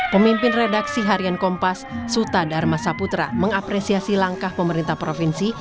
pemimpin redaksi harian kompas suta dharma saputra mengapresiasi langkah pemerintah provinsi